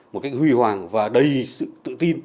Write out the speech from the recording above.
một cách huy hoàng và đầy sự tự tin